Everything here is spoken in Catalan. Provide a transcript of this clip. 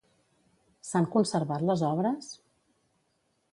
S'han conservat les obres?